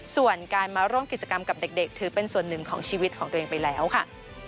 ส่วนการมาร่วมกิจกรรมกับเด็กถือเป็นส่วนหนึ่งของชีวิตของตัวเองไปแล้วค่ะ